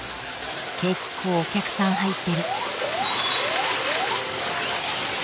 結構お客さん入ってる。